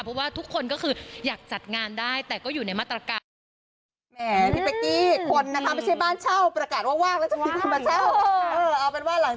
เพราะว่าทุกคนก็คืออยากจัดงานได้แต่ก็อยู่ในมาตรการ